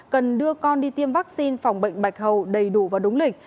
cần đưa con đi tiêm vaccine phòng bệnh bạch hầu đầy đủ và đúng lịch